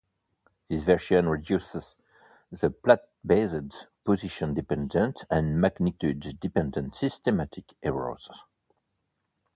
This version reduces the plate-based position-dependent and magnitude-dependent systematic errors.